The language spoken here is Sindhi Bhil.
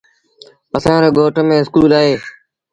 اسآݩ ري ڳوٺ ميݩ اسڪول اهي۔